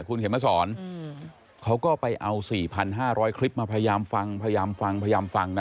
คุณเข็มมาสอนเขาก็ไปเอา๔๕๐๐คลิปมาพยายามฟังพยายามฟังพยายามฟังนะ